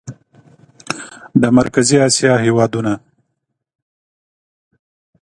د مرکزي اسیا هېوادونه